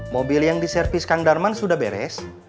mobil yang diservis kang darman sudah beres